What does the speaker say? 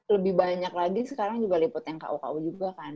lebih banyak lagi sekarang juga liput yang ku ku juga kan